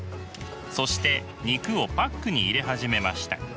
そして肉をパックに入れ始めました。